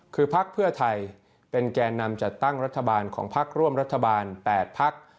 คือพักเพื่อไทยเป็นแก่นำจัดตั้งรัฐบาลของพักร่วมรัฐบาล๘พัก